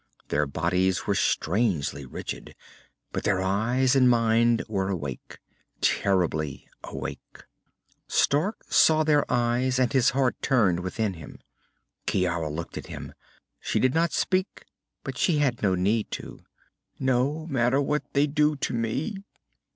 Their bodies were strangely rigid, but their eyes and minds were awake. Terribly awake. Stark saw their eyes, and his heart turned within him. Ciara looked at him. She could not speak, but she had no need to. _No matter what they do to me....